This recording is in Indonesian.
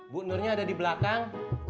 bu nurnya ada di belakang